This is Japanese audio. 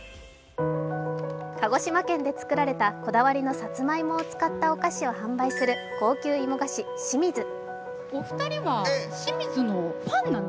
鹿児島県で作られたこだわりのさつまいもを使ったお菓子を販売する高級芋菓子しみず。